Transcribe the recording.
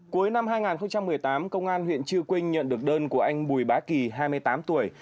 cuối năm hai nghìn một mươi tám công an huyện chư quynh nhận được đơn của anh bùi bá kỳ hai mươi tám tuổi